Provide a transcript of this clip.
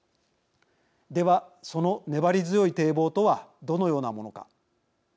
では、その粘り強い堤防とはどのようなものか。